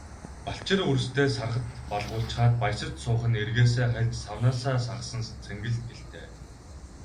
Балчир үрстээ сархад балгуулчхаад баясаж суух нь эргээсээ хальж, савнаасаа сагасан цэнгэл гэлтэй.